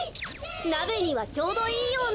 なべにはちょうどいいような。